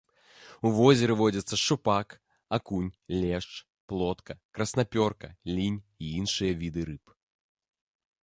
У возеры водзяцца шчупак, акунь, лешч, плотка, краснапёрка, лінь і іншыя віды рыб.